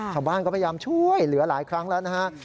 ชาวบ้านก็พยายามช่วยเหลือหลายครั้งแล้วนะฮะ